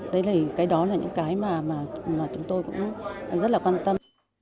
đấy thì cái đó là những cái mà chúng tôi cũng rất là quan tâm